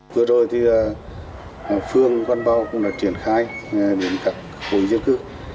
vừa rồi thì phương quan báo cũng đã triển khai đến các khối giới cư